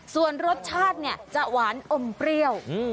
ส่วนรสชาติเนี่ยจะหวานอมเปรี้ยว